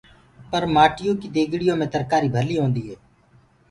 پر مآٽيو ڪي ديگڙيو مي ترڪآري ڀلي هوندي هي۔